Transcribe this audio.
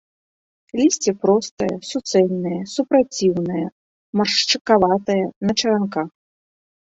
Лісце простае, суцэльнае, супраціўнае, маршчакаватае, на чаранках.